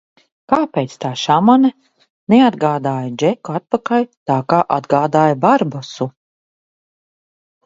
Kāpēc tā šamane neatgādāja Džeku atpakaļ tā, kā atgādāja Barbosu?